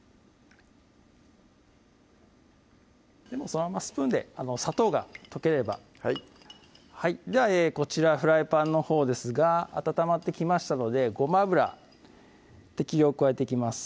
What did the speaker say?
そのままスプーンで砂糖が溶ければではこちらフライパンのほうですが温まってきましたのでごま油適量加えていきます